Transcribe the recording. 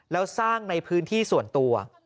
แล้วสร้างในพื้นที่ส่วนตัว